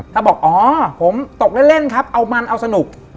ถ้าบอกอ๋อผมตกเล่นครับเอามันเอาสนุก